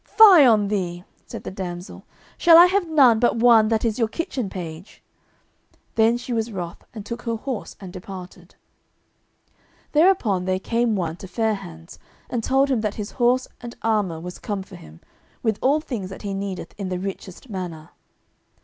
"Fie on thee," said the damsel, "shall I have none but one that is your kitchen page?" Then was she wroth, and took her horse and departed. Thereupon there came one to Fair hands, and told him that his horse and armour was come for him, with all things that he needed in the richest manner.